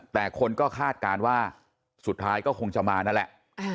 แต่คนก็คาดการณ์ว่าสุดท้ายก็คงจะมานั่นแหละ